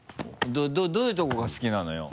どういうところが好きなのよ？